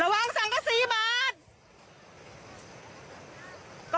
ระวังสั่งกะสี่บาท